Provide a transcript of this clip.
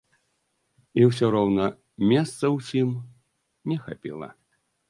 І ўсё роўна, месцаў усім не хапіла.